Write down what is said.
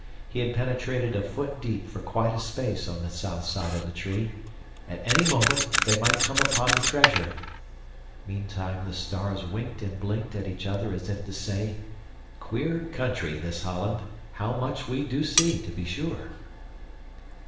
He had penetrated a foot deep for quite a space on the south side of the tree. At any moment they might come upon the treasure. Meantime the stars winked and blinked at each other as if to say, "Queer country, this Holland! How much we do see, to be sure!"